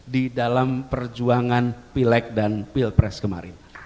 di dalam perjuangan pileg dan pilpres kemarin